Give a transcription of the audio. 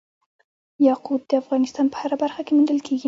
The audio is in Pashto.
یاقوت د افغانستان په هره برخه کې موندل کېږي.